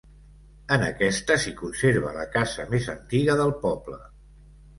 En aquesta s'hi conserva la casa més antiga del poble.